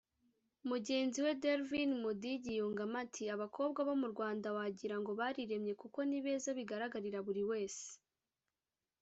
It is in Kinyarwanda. Mugenzi we Delvin Mudigi yungamo ati “Abakobwa bo Rwanda wagira ngo bariremye kuko ni beza bigaragarira buri wese”